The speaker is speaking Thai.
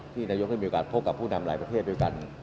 นายกได้มีโอกาสพบกับผู้นำหลายประเทศด้วยกัน